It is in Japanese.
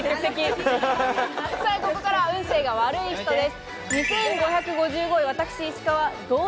ここからは運勢が悪い人です。